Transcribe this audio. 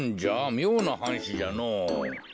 みょうなはんしじゃのぉ。